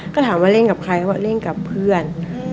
ก็ถามว่าเล่นกับใครเขาบอกเล่นกับเพื่อน